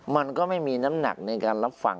มันก็ไม่มีน้ำหนักในการรับฟัง